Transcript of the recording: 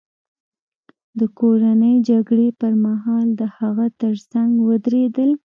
د کورنۍ جګړې پرمهال د هغه ترڅنګ ودرېدل.